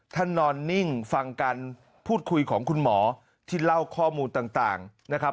นอนนิ่งฟังการพูดคุยของคุณหมอที่เล่าข้อมูลต่างนะครับ